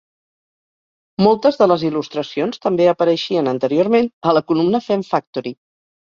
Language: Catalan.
Moltes de les il·lustracions també apareixien anteriorment a la columna "Fiend Factory".